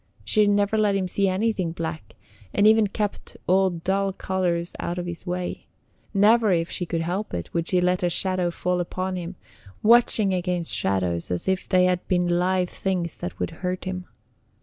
She never let him see anything black, and even kept all dull colors out of his way. Never, if she could help it, would she let a shadow fall upon him, watching against shadows as if they had been live things that would hurt him.